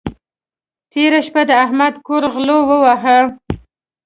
تېره شپه د احمد کور غلو وواهه.